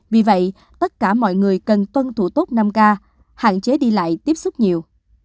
vì vậy tất cả mọi người cần tuân thủ tốt năm k hạn chế đi lại tiếp xúc nhiều